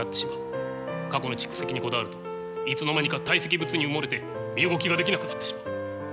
過去の蓄積にこだわるといつの間にか堆積物に埋もれて身動きができなくなってしまう。